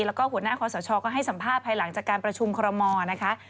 แล้วก็หัวหน้าคอสชก็ให้สัมภาษณ์ภายหลังจากการประชุมคอรมอลนะคะ